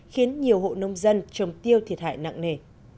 khiến nhiều hộ nông dân trồng tiêu thiệt hại nặng nề